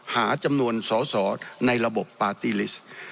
หาจำนวนสอสอในระบบปาร์ตี้ลิสต์